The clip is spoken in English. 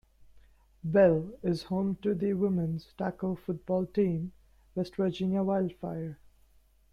Belle is home to the women's tackle football team West Virginia Wildfire.